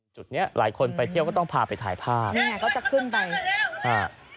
จุดเนี้ยหลายคนไปเที่ยวก็ต้องพาไปถ่ายภาพนี่ไงก็จะขึ้นไปอ่า